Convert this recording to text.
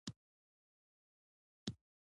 ډېر د برم او خوښۍ جلوسونه تېر شول.